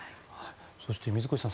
そして水越さん